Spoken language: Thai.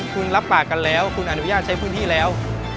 คุณรับปากกันแล้วคุณอนุญาตใช้พื้นที่แล้ว